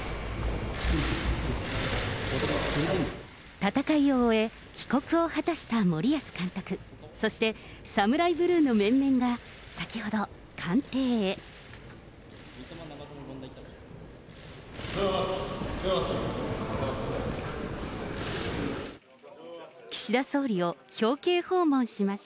戦いを終え、帰国を果たした森保監督、そしてサムライブルーの面々が、先ほど、おはようございます。